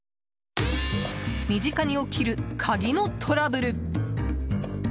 身近に起きる鍵のトラブル。